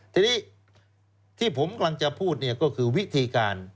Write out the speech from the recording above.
ทีนี้ที่ผมกำลังจะพูดเนี่ยก็คือวิธีการ